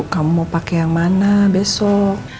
kamu mau pakai yang mana besok